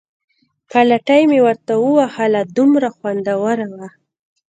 پلتۍ مې ورته ووهله، دومره خوندوره وه.